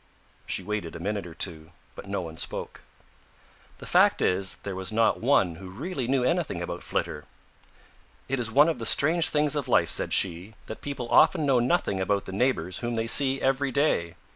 She waited a minute or two, but no one spoke. The fact is there was not one who really knew anything about Flitter. "It is one of the strange things of life," said she, "that people often know nothing about the neighbors whom they see every day.